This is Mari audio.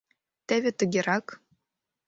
— Теве тыгерак...